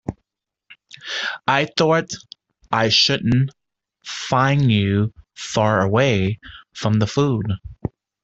I thought I shouldn't find you far away from the food.